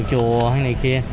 chùa hay này kia